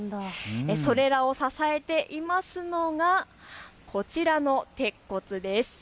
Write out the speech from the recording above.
それらを支えているのがこちらの鉄骨です。